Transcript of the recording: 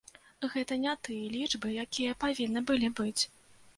Гэта не тыя лічбы, якія павінны былі быць.